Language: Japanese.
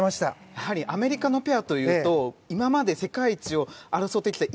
やはり、アメリカのペアというと、今まで世界一を争ってきた。